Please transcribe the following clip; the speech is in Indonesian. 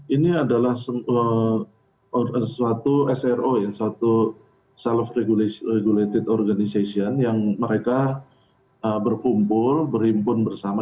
ini adalah suatu sro ya suatu self regulated organization yang mereka berkumpul berhimpun bersama